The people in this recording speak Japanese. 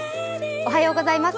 おはようございます。